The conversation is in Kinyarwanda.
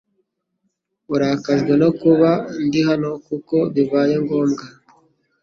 Urakajwe no kuba ndi hano kuko bibaye ngombwa